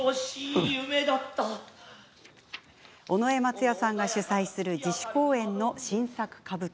尾上松也さんが主宰する自主公演の新作歌舞伎。